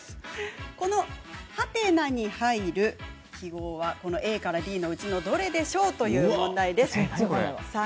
この？に入る記号はＡからＤのうちどれでしょうという問題です。